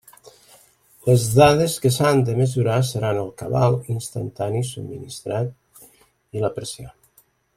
Les dades que s'han de mesurar seran el cabal instantani subministrat i la pressió.